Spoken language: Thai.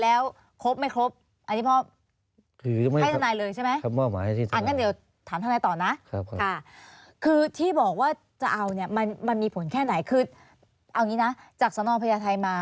อาบน้ำจัดขนนี่จะพอคุณพ่อเล่าเหมือนโมนเดิมเลยนะ